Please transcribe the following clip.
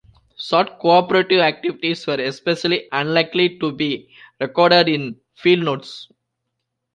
Short cooperative activities were especially unlikely to be recorded in field notes.